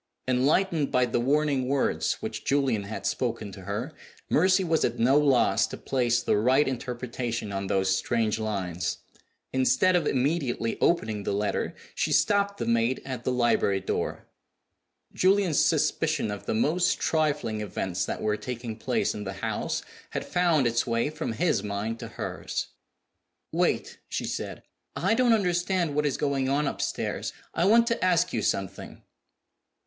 Enlightened by the warning words which Julian had spoken to her, Mercy was at no loss to place the right interpretation on those strange lines. Instead of immediately opening the letter, she stopped the maid at the library door. Julian's suspicion of the most trifling events that were taking place in the house had found its way from his mind to hers. "Wait!" she said. "I don't understand what is going on upstairs; I want to ask you something."